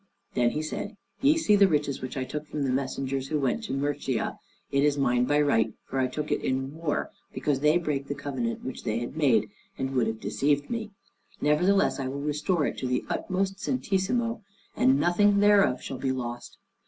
Then he said, "Ye see the riches which I took from the messengers who went to Murcia; it is mine by right, for I took it in war because they brake the covenant which they had made, and would have deceived me: nevertheless I will restore it to the uttermost centesimo, that nothing thereof shall be lost.